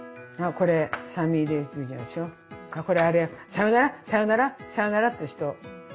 これあれよさよならさよならさよならって言う人。